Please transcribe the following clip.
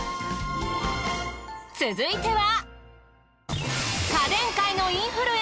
続いては。